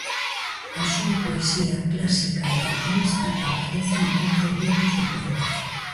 A súa poesía, clásica e intimista, aparece en catro libros de poemas.